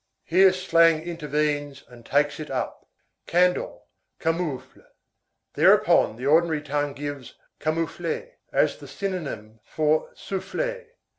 Here slang intervenes and takes it up: Candle, camoufle. Thereupon, the ordinary tongue gives _camouflet_42 as the synonym for soufflet.